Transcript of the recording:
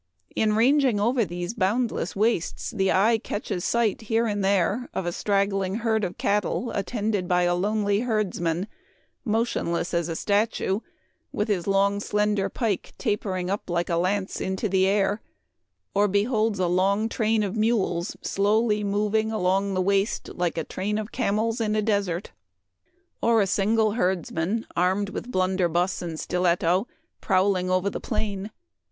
In ranging over these boundless wastes the eye catches sight here and there of a straggling herd of cattle attended by a lonely herdsman, motionless as a statue, with his long, slender pike tapering up like a lance into the air ; or beholds a long 208 Memoir of Washington Irving. train of mules slowly moving along the waste like a train of camels in a desert ; or a single herdsman, armed with blunderbuss and stiletto, prowling over the plain.